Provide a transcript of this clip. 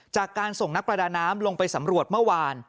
จากการส่งนักประดาน้ำลงไปสำรวจเมื่อวาน